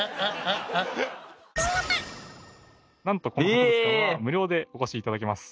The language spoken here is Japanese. なんとこの博物館は無料でお越し頂けます。